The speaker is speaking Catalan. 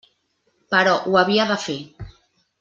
Però ho havia de fer.